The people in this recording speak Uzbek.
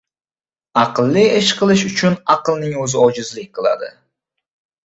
Aqlli ish qilish uchun aqlning o‘zi ojizlik qiladi.